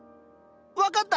分かった。